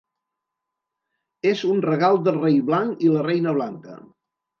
És un regal del Rei Blanc i la Reina Blanca.